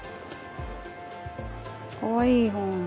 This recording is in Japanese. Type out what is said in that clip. かわいい本。